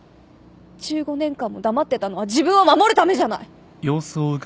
１５年間も黙ってたのは自分を守るためじゃない！